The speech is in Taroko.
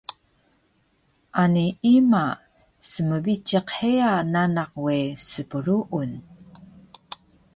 Ani ima smbiciq heya nanak we spruun